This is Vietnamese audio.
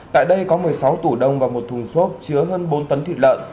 tại đây có một mươi sáu tủ đông và một thùng xốp chứa hơn bốn tấn thịt lợn